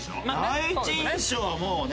第一印象はもうね。